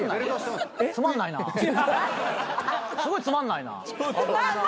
すごいつまんないな。